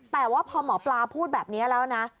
แต่ว่าพอหมอปลาพูดแบบนี้แล้วนะ